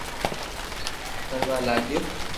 ڪروا لاگيو